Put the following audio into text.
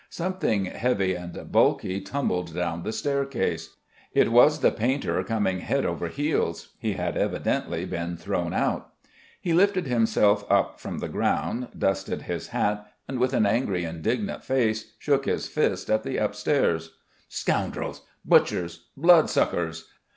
Something heavy and bulky tumbled down the staircase. It was the painter coming head over heels. He had evidently been thrown out. He lifted himself up from the ground, dusted his hat, and with an angry indignant face, shook his fist at the upstairs. "Scoundrels! Butchers! Bloodsuckers!